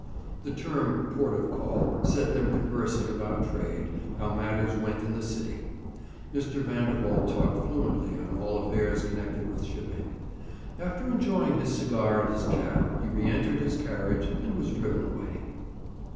The term 'port of call' set them conversing about trade, how matters went in the City. Mr. Vanderholt talked fluently on all affairs connected with shipping. After enjoying his cigar and his chat, he re entered his carriage, and was driven away.